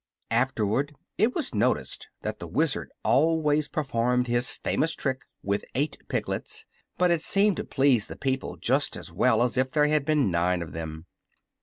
Afterward it was noticed that the Wizard always performed his famous trick with eight piglets, but it seemed to please the people just as well as if there had been nine of them.